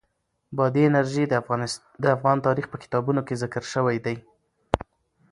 بادي انرژي د افغان تاریخ په کتابونو کې ذکر شوی دي.